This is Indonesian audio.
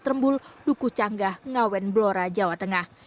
terembul duku canggah ngawen blora jawa tengah